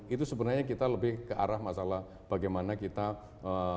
itu sebenarnya kita lebih ke arah masalah bagaimana kita menerapkan konsep sosial